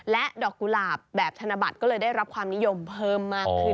และดอกกุหลาบแบบธนบัตรก็เลยได้รับความนิยมเพิ่มมากขึ้น